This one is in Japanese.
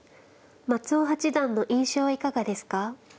松尾八段の印象はいかがですか。